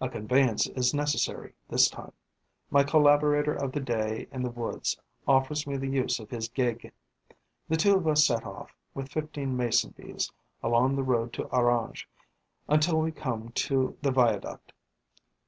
A conveyance is necessary, this time. My collaborator of the day in the woods offers me the use of his gig. The two of us set off, with fifteen Mason bees, along the road to Orange, until we come to the viaduct.